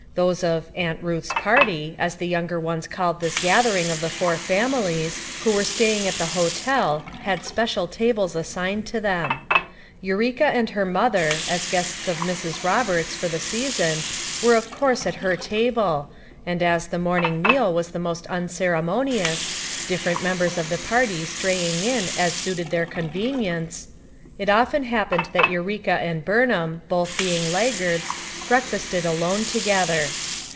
Those of "Aunt Buth's party" — as the younger ones called this gathering of the four families — who were staying at the hotel had special tables assigned to them. Eureka and her mother, as guests of Mrs. Eoberts for the season, were of course at her table, and as the morning meal was most unceremonious, differ 184 FOUE MOTHEBS AT CHAUTAUQUA 183 ent members of the party straying In as suited their convenience, it often happened that Eu reka and Burnham, both being laggards, break fasted alone together.